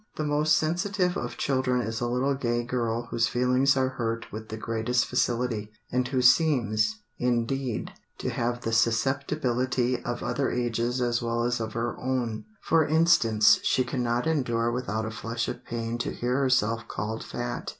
The most sensitive of children is a little gay girl whose feelings are hurt with the greatest facility, and who seems, indeed, to have the susceptibilty of other ages as well as of her own for instance, she cannot endure without a flush of pain to hear herself called fat.